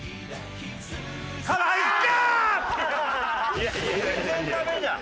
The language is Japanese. いや全然ダメじゃん！